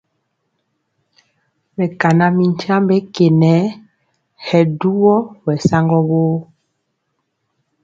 Mɛkana mi nkyambe ke nɛ, hɛ duwɔ ɓɛ saŋgɔ woo.